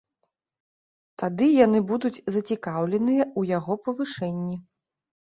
Тады яны будуць зацікаўленыя ў яго павышэнні.